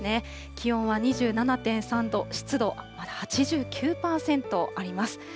気温は２７．３度、湿度８９％あります。